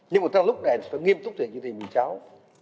nhưng mà tháng lúc này phải nghiêm túc thị trường chính phủ cháu